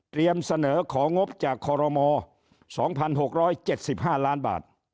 เตรียมเสนอของงบจากคม๒๖๗๕ล้านบาท